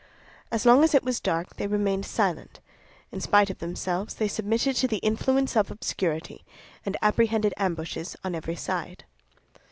As long as it was dark they remained silent; in spite of themselves they submitted to the influence of the obscurity, and apprehended ambushes on every side.